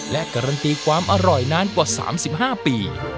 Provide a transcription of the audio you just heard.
และการันตีความอร่อยนานกว่า๓๕ปี